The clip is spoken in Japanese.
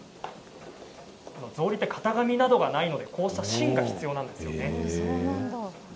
ぞうりは型紙がないのでこうした芯が必要なんですね。